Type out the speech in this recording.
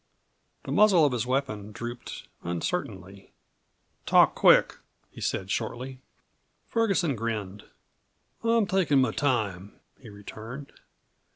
The muzzle of his weapon drooped uncertainly. "Talk quick!" he said shortly. Ferguson grinned. "I'm takin' my time," he returned.